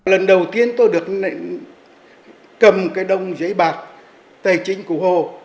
lần đầu tiên tôi được cầm cái đồng giấy bạc tài chính của hồ